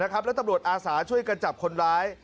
นะครับและตำรวจอาสาช่วยกระจับคนร้าย